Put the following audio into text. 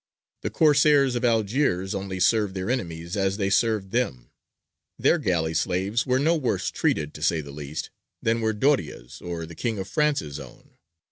The Corsairs of Algiers only served their enemies as they served them: their galley slaves were no worse treated, to say the least, than were Doria's or the King of France's own.